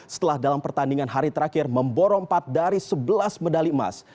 setelah dalam pertandingan hari terakhir memboro empat dari sebelas medali emas